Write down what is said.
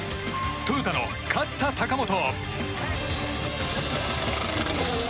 トヨタの勝田貴元。